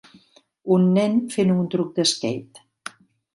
Un nen fent un truc d"skate